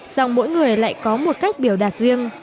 dòng mỗi người lại có một cách biểu đạt riêng